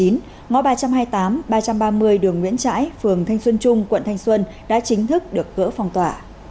ngõ ba trăm hai mươi tám ba trăm ba mươi đường nguyễn trãi phường thanh xuân trung quận thanh xuân đã chính thức được gỡ phong tỏa